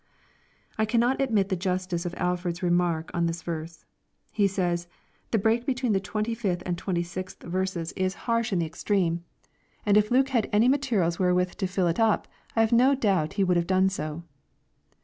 I cannot admit the justice of Alford's remark on this verse. He qajSj " The brei^ between the 25th and 26th verses \? harsh LUKE, CHAP. xxm. 465 in the extreme, and if Luke had any materials wherewith to fill it up, I. have no doubt he would have done so."